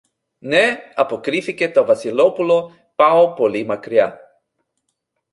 Ναι, αποκρίθηκε το Βασιλόπουλο, πάω πολύ μακριά.